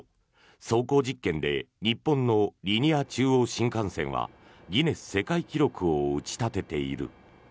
走行実験で日本のリニア中央新幹線はギネス世界記録を打ち立てている。